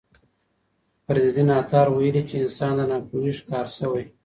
فریدالدین عطار ویلي چې انسانان د ناپوهۍ ښکار شوي.